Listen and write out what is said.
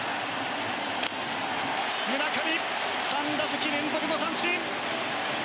村上、３打席連続の三振。